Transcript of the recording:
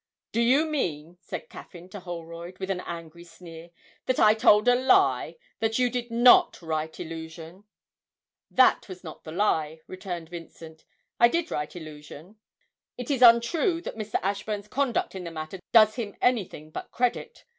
'Do you mean,' said Caffyn to Holroyd, with an angry sneer, 'that I told a lie that you did not write "Illusion"?' 'That was not the lie,' returned Vincent. 'I did write "Illusion." It is untrue that Mr. Ashburn's conduct in the matter does him anything but credit.